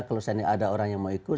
kalau saya ini ada orang yang mau ikut